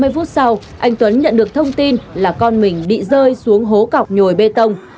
ba mươi phút sau anh tuấn nhận được thông tin là con mình bị rơi xuống hố cọc nhồi bê tông